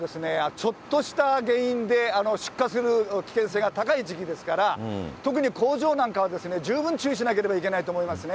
ちょっとした原因で、出火する危険性が高い時期ですから、特に工場なんかはですね、十分注意しなければいけないと思います